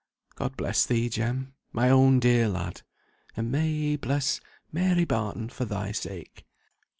"God bless thee, Jem, my own dear lad. And may He bless Mary Barton for thy sake."